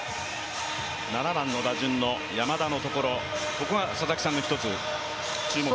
７番の打順の山田のところ、ここが佐々木さんの注目点。